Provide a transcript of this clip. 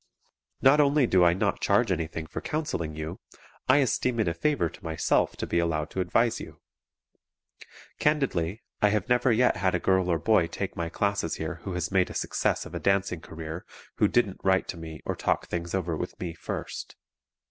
Not only do I not charge anything for counseling you, I esteem it a favor to myself to be allowed to advise you. Candidly, I have never yet had a girl or boy take my courses here who has made a success of a dancing career who didn't write to me or talk things over with me first.